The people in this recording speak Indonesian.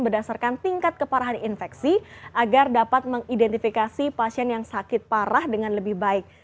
berdasarkan tingkat keparahan infeksi agar dapat mengidentifikasi pasien yang sakit parah dengan lebih baik